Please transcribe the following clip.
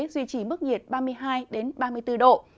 duy trì mức nhiệt ba mươi hai ba mươi bốn độ